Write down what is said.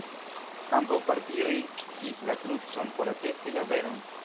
Ambaŭ partioj kisis la krucon por atesti la veron.